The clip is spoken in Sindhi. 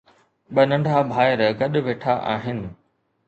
ٻه ننڍا ڀائر گڏ ويٺا آهن